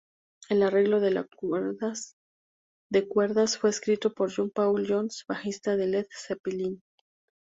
El arreglo de cuerdas fue escrito por John Paul Jones, bajista de Led Zeppelin.